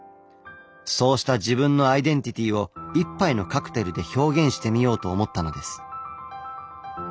そうした自分のアイデンティティーを一杯のカクテルで表現してみようと思ったのです。